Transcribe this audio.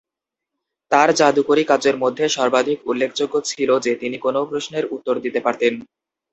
তার জাদুকরী কাজের মধ্যে সর্বাধিক উল্লেখযোগ্য ছিল যে তিনি কোনও প্রশ্নের উত্তর দিতে পারতেন।